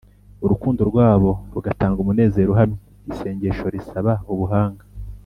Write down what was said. urukundo rwabwo rugatanga umunezero uhamye. Isengesho risaba Ubuhanga